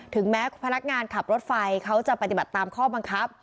แม้พนักงานขับรถไฟเขาจะปฏิบัติตามข้อบังคับ